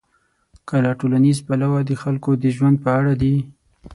که له ټولنیز پلوه د خلکو د ژوند په اړه دي.